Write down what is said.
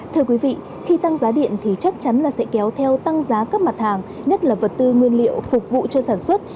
thưa quý vị khi tăng giá điện thì chắc chắn là sẽ kéo theo tăng giá các mặt hàng nhất là vật tư nguyên liệu phục vụ cho sản xuất